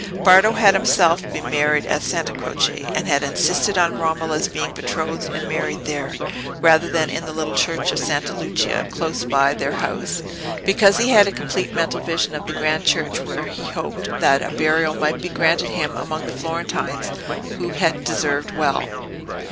Bardo had himself been married at Santa Croce, and had insisted on Romola's being betrothed and married there, rather than in the little church of Santa Lucia close by their house, because he had a complete mental vision of the grand church where he hoped that a burial might be granted him among the Florentines who had deserved well.